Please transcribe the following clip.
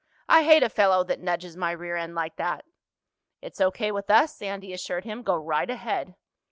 "I hate a fellow that nudges my rear end like that." "It's O.K. with us," Sandy assured him. "Go right ahead."